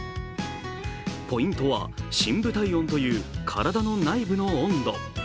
ポイントは深部体温という体の内部の温度。